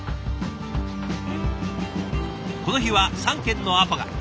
この日は３件のアポが。